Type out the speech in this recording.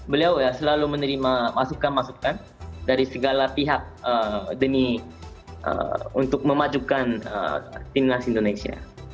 beliau ya selalu menerima masukan masukan dari segala pihak demi untuk memajukan timnas indonesia